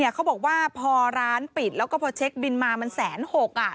เขาบอกว่าพอร้านปิดแล้วก็พอเช็คบินมามัน๑๖๐๐บาท